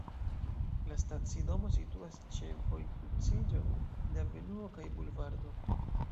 La stacidomo situas ĉe vojkruciĝo de avenuo kaj bulvardo.